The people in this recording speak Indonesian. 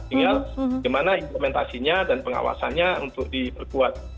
hingga gimana implementasinya dan pengawasannya untuk diperkuat